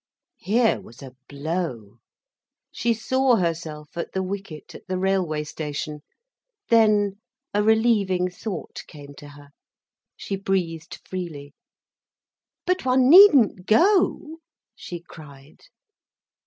Here was a blow. She saw herself at the wicket, at the railway station. Then a relieving thought came to her. She breathed freely. "But one needn't go," she cried.